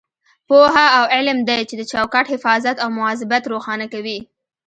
پوهه او علم دی چې د چوکاټ حفاظت او مواظبت روښانه کوي.